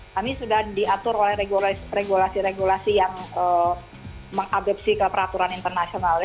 kami sudah diatur oleh regulasi regulasi yang mengadopsi ke peraturan internasional